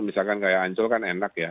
misalkan kayak ancol kan enak ya